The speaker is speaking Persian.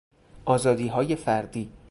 آزادیهای فردی